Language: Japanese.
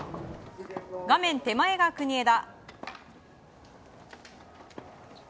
画面手前が国枝。